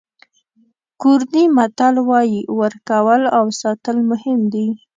کوردي متل وایي ورکول او ساتل مهم دي.